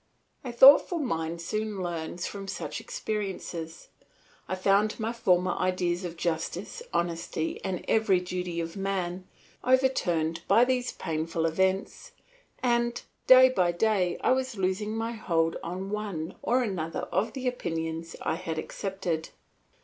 A thoughtful mind soon learns from such experiences. I found my former ideas of justice, honesty, and every duty of man overturned by these painful events, and day by day I was losing my hold on one or another of the opinions I had accepted.